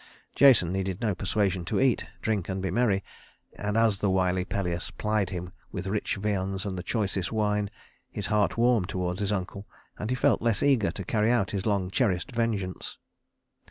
Jason needed no persuasion to eat, drink, and be merry; and as the wily Pelias plied him with rich viands and the choicest wine, his heart warmed toward his uncle, and he felt less eager to carry out his long cherished vengeance.